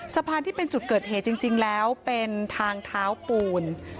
สะพานที่เป็นจุดเกิดเหตุจริงแล้วเป็นทางเท้าปูน